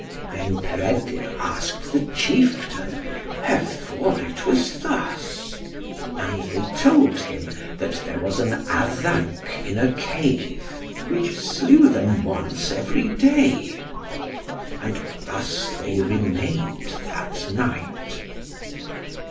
Then Peredur asked the chieftain wherefore it was thus. And they told him, that there was an Addanc in a cave, which slew them once every day. And thus they remained that night.